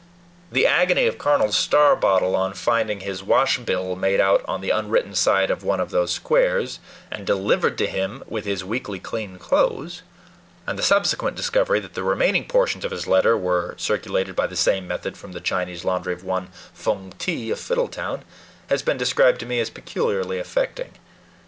The agony of Colonel Starbottle on finding his wash bill made out on the unwritten side of one of these squares, and delivered to him with his weekly clean clothes, and the subsequent discovery that the remaining portions of his letter were circulated by the same method from the Chinese laundry of one Fung Ti of Fiddletown, has been described to me as peculiarly affecting.